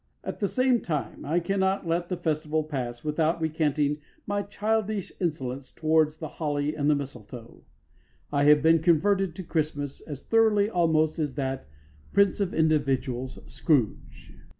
At the same time, I cannot let the festival pass without recanting my childish insolence towards the holly and the mistletoe. I have been converted to Christmas as thoroughly almost as that prince of individualists, Scrooge.